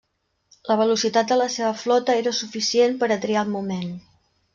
La velocitat de la seva flota era suficient per a triar el moment.